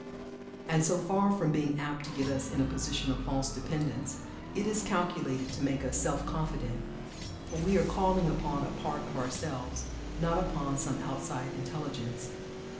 And so far from being apt to get us in a position of false dependence, it is calculated to make us self confident for we are calling upon a part of ourselves, not upon some outside intelligence.